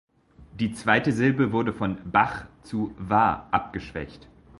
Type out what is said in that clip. Die zweite Silbe wurde von "-bach" zu "-wa" abgeschwächt.